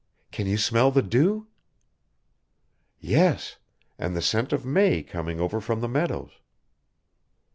Can you smell the dew?" "Yes, and the scent of may coming over from the meadows."